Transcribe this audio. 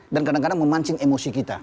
dan kadang kadang memancing emosi kita